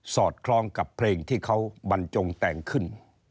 อดคล้องกับเพลงที่เขาบรรจงแต่งขึ้น